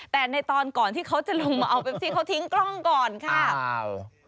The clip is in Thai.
แต่ในตอนก่อนที่เขาจะลงมาเอาเป็กซี่เขาทิ้งกล้องก่อนค่ะอ้าว